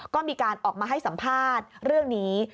ก็มีการออกมาให้สัมภาษณ์เรื่องนี้